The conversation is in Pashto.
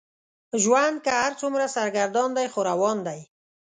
ژوند که هر څومره سرګردان دی خو روان دی.